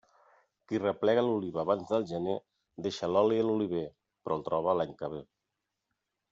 Qui replega l'oliva abans del gener deixa l'oli a l'oliver, però el troba l'any que ve.